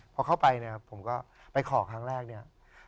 พอเข้าไปเนี่ยผมก็ไปขอครั้งแรกเนี่ย